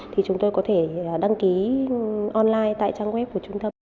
thì chúng tôi có thể đăng ký online tại trang web của trung tâm